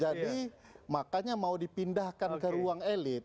jadi makanya mau dipindahkan ke ruang elit